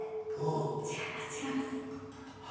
違います違います。